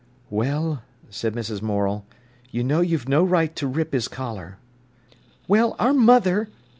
"Well," said Mrs. Morel, "you know you've got no right to rip his collar." "Well, our mother!"